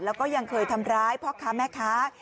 แล้วก็ยังเคยทำร้ายพ่อค้าแม่ค้า